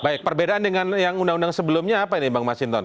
baik perbedaan dengan yang undang undang sebelumnya apa ini bang masinton